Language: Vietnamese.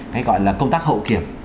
cái gọi là công tác hậu kiểm